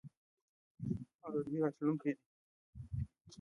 او د دوی راتلونکی دی.